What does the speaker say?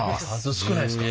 少ないですか。